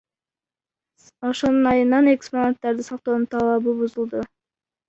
Ошонун айынан экспонаттарды сактоонун талабыбузулду.